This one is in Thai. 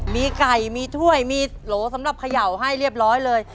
มีไก่มีถ้วยมีโหลสำหรับเขย่าให้เรียบร้อยเลย